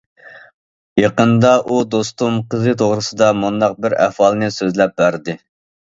يېقىندا ئۇ دوستۇم قىزى توغرىسىدا مۇنداق بىر ئەھۋالنى سۆزلەپ بەردى.